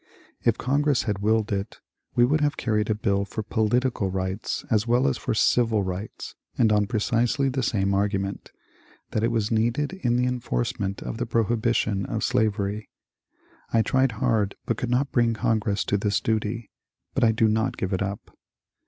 If Congress had willed it, we could have carried a bill for politir '" cat rights as well as for civil rights and on precisely the same argument, — that it was needful in the enforcement of the pro hibition of slavery. I tried hard, but could not bring Con gress to this duty, but I do not give it up.